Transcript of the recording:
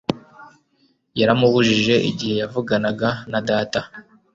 yaramubujije igihe yavuganaga na data